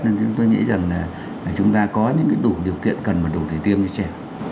nên chúng tôi nghĩ rằng là chúng ta có những đủ điều kiện cần và đủ để tiêm cho trẻ